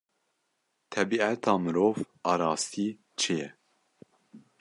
Tebîata mirov a rastî çi ye?